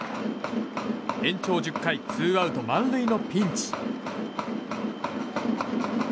延長１０回ツーアウト満塁のピンチ。